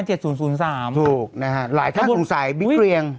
ถูกนะฮะหลายท่าสงสัยปรีกเปลี่ยง